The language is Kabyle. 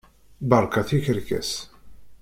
Berka tikerkas!